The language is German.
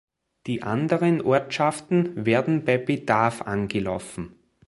Die anderen Ortschaften werden bei Bedarf angelaufen.